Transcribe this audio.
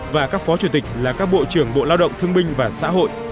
và các phó chủ tịch là các bộ trưởng bộ lao động thương binh và xã hội